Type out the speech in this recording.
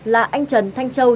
là anh trần thanh châu